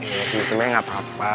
ya sebenernya gak apa apa